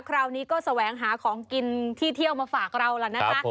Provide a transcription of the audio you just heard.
คราวนี้ก็แสวงหาของกินที่เที่ยวมาฝากเราแล้วนะคะ